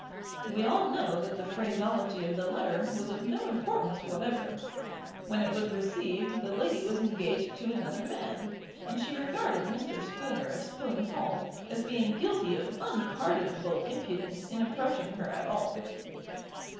We all know that the phraseology of the letter was of no importance whatever. When it was received the lady was engaged to another man; and she regarded Mr. Spooner of Spoon Hall as being guilty of unpardonable impudence in approaching her at all.